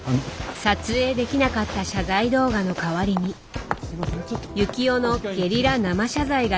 撮影できなかった謝罪動画の代わりに幸男のゲリラ生謝罪が実行された。